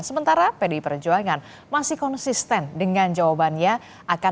sementara pdi perjuangan masih konsisten dengan jawabannya